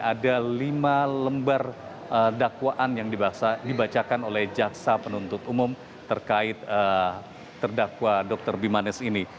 ada lima lembar dakwaan yang dibacakan oleh jaksa penuntut umum terkait terdakwa dr bimanes ini